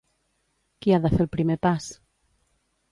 Qui ha de fer el primer pas?